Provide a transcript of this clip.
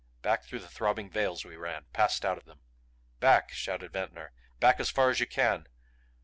Back through the throbbing veils we ran; passed out of them. "Back!" shouted Ventnor. "Back as far as you can!"